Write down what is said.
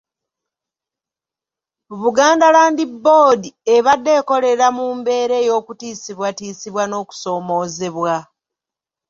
Buganda Land Board ebadde ekolera mu mbeera ey'okutiisibwatiisibwa n'okusoomoozebwa.